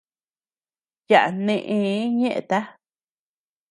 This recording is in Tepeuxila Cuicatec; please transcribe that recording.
Yaʼa neʼëe ñeʼeta.